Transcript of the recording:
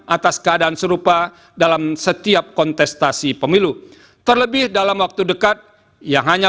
atas keadaan serupa dalam setiap kontestasi pemilu terlebih dalam waktu dekat yang hanya